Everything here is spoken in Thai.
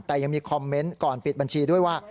แต่ยังมีคอมเมนต์ก่อนปิดบัญชีด้วยว่า